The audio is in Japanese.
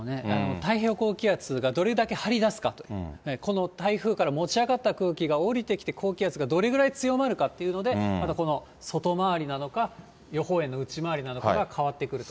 太平洋高気圧がどれだけ張り出すかと、この台風から持ち上がった空気が下りてきて、高気圧がどれぐらい強まるのかっていうので、またこの外回りなのか、予報円の内回りなのかが変わってくると。